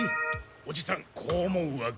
おじさんこう思うわけ。